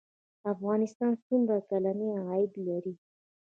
افغانستان څومره کلنی عاید لري؟